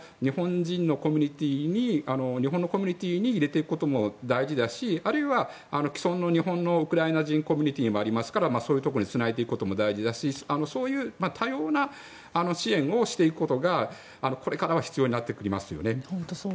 これは日本のコミュニティーに入れていくことも大事だしあるいは既存の日本のウクライナ人のコミュニティーもありますからそういうところにつなげていくことも大事だしそういう多様な支援をしていくことがこれからは必要になってきますよね。